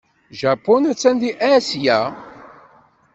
Japun attan deg Asya.